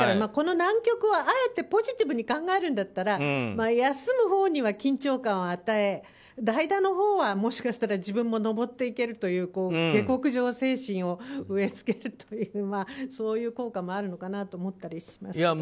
この難局をあえてポジティブに考えるんだったら休むほうには緊張感を与え代打のほうはもしかしたら自分も登っていけるという下剋上精神を植え付けるというそういう効果もあるのかなと思ったりします。